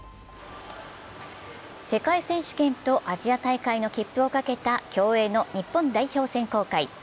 世界選手権とアジア大会の切符をかけた競泳の日本代表選考会。